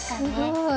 すごい。